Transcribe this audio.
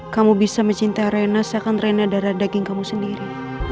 kamu bisa mencintai arena seakan rena darah daging kamu sendiri